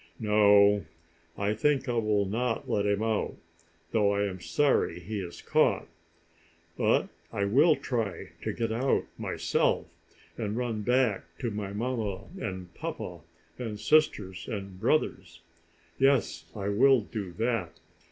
No, I think I will not let him out, though I am sorry he is caught. But I will try to get out myself, and run back to my mamma and papa, and sisters and brothers. Yes, I will do that."